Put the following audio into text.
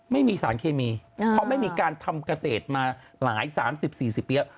ไม่มีสารเคมีเพราะไม่มีการทำเกษตรมาหลาย๓๐๔๐ปีแล้ว